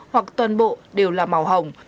hoặc toàn bộ đều là màu hồng